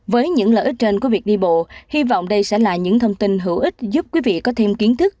với những lợi ích trên của việc đi bộ hy vọng đây sẽ là những thông tin hữu ích giúp quý vị có thêm kiến thức